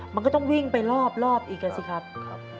มันก็ต้องวิ่งไปรอบอีกอ่ะสิครับ